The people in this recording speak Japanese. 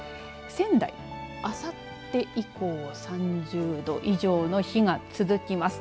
仙台あさって以降３０度以上の日が続きます。